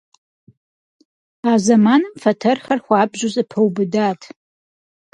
А зэманым фэтэрхэр хуабжьу зэпэубыдат.